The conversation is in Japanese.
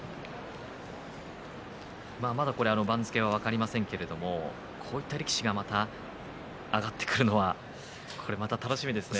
まだ番付は分かりませんけれどこういった力士が上がってくるのはこれまた楽しみですね。